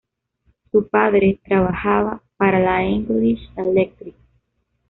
Su padre trabajaba para la English Electric.